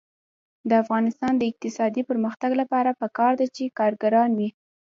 د افغانستان د اقتصادي پرمختګ لپاره پکار ده چې کارګران وي.